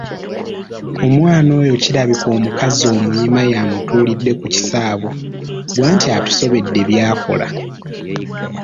"Omwana oyo kirabika omukazi omuyima ye amutuulidde ku kisaabo, ggwe anti atusobedde by’akola."